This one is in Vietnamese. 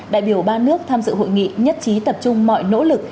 đại biểu ba nước tham dự hội nghị nhất trí tập trung mọi nỗ lực